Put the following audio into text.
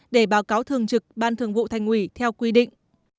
để báo cáo thường trực ban thường vụ thành ủy theo quy định